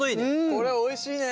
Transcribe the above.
これおいしいね！